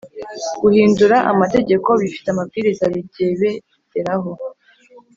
guhindura amategeko bifite amabwiriza bigebderaho